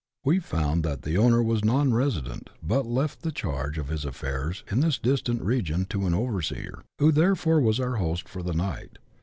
We found that the owner was not resident, but left the charge of his affairs in this distant region to an overseer, who therefore was our host for the night.